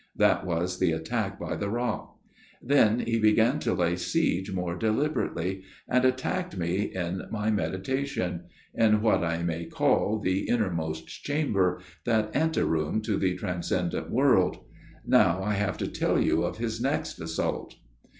That was the attack by the rock. Then he began to lay siege more deliberately ; and attacked me in my meditation in what I may call the innermost chamber that ante room to the transcendent 110 A MIRROR OF SHALOTT world. Now I have to tell you of his next assault."